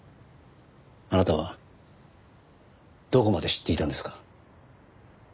あなたはどこまで知っていたんですか？